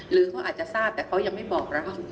หรือเขาอาจจะทราบแต่เขายังไม่บอกนะคะ